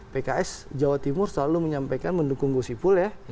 pks jawa timur selalu menyampaikan mendukung gusipul ya